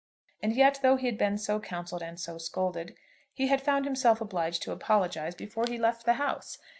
And yet though he had been so counselled and so scolded, he had found himself obliged to apologize before he left the house!